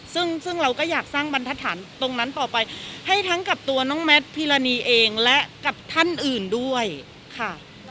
ซึ่งเราก็อยากสร้างบรรทัศน์ตรงนั้นต่อไปให้ทั้งกับตัวน้องแมทพิรณีเองและกับท่านอื่นด้วยค่ะ